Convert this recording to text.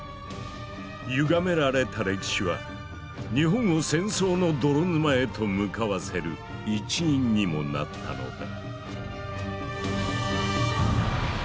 ゆがめられた歴史は日本を戦争の泥沼へと向かわせる一因にもなったのだ。